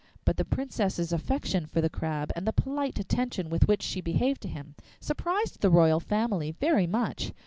But the Princess's affection for the Crab, and the polite attention with which she behaved to him, surprised the royal family very much.